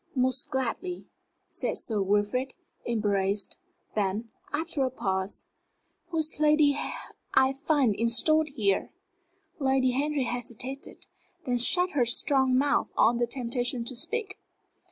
"Most gladly," said Sir Wilfrid, embarrassed; then, after a pause, "Who is this lady I find installed here?" Lady Henry hesitated, then shut her strong mouth on the temptation to speak.